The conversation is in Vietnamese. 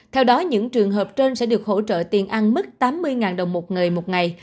theo đó những trường hợp trên sẽ được hỗ trợ tiền ăn mức tám mươi đồng một người một ngày